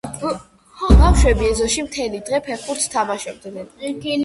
ბავშვები ეზოში მთელი დღე ფეხბურთს თამაშობდნენ.